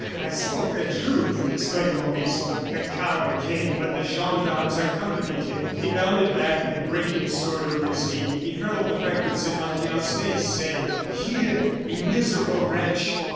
I spoke the truth!" exclaimed Maurice. "The coward came, but the gendarmes accompanied him." He bounded back, and breaking his sword over his knee, he hurled the fragments in Martial's face, saying: "Here, miserable wretch!"